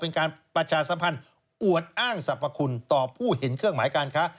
เป็นการประชาสัมพันธ์อวดอ้างสรรพคุณต่อผู้เห็นเครื่องหมายการค้า